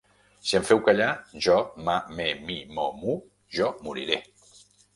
Si em feu callar, jo ma, me, mi, mo, mu jo moriré.